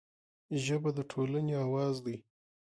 ژبه د ټولنې اواز دی